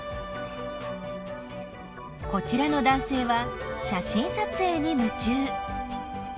こちらの男性は写真撮影に夢中。